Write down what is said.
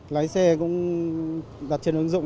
lái xe cũng đặt trên ứng dụng